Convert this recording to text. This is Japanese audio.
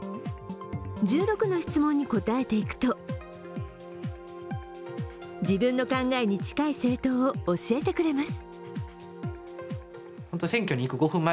１６の質問に答えていくと、自分の考えに近い政党を教えてくれます。